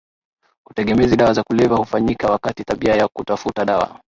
Utegemezi dawa za kulevya hufanyika wakati tabia ya kutafuta dawa